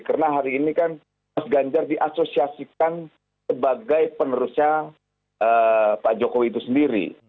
karena hari ini kan mas ganjar diasosiasikan sebagai penerusnya pak jokowi itu sendiri